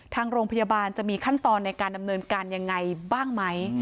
ทางโรงพยาบาลจะมีขั้นตอนในการดำเนินการยังไงบ้างไหม